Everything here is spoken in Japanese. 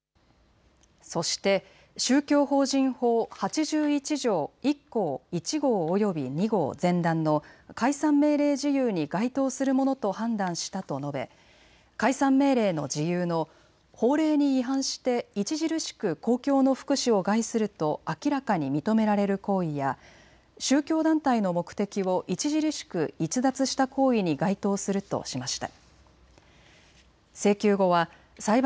そして宗教法人法８１条１項１号および２号前段の解散命令事由に該当するものと判断したと述べ解散命令の事由の法令に違反して著しく公共の福祉を害すると明らかに認められる行為や宗教団体の目的を著しく逸脱した行為に該当するとしました。